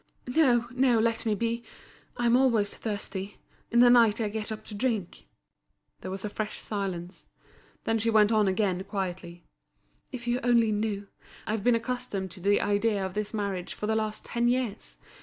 "No, no, let me be; I'm always thirsty. In the night I get up to drink." There was a fresh silence. Then she went on again quietly: "If you only knew, I've been accustomed to the idea of this marriage for the last ten years.